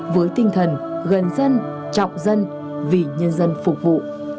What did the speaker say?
với tinh thần gần dân trọng dân vì nhân dân phục vụ